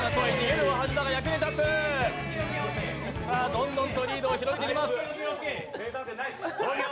どんどんとリードを広げていきます。